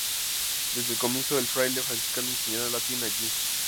Desde el comienzo, el fraile franciscano enseñará latín allí.